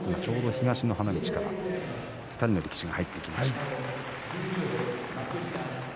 東の花道から２人の力士が入ってきました。